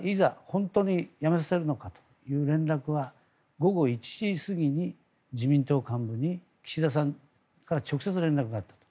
本当に辞めさせるのかという連絡は午後１時過ぎに自民党幹部に岸田さんから直接、連絡があった。